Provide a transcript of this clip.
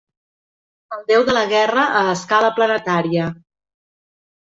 El déu de la guerra a escala planetària.